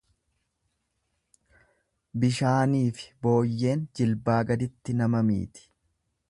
Bishaaniifi booyyeen jilbaa gaditti nama miiti.